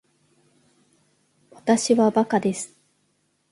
わたしはバカです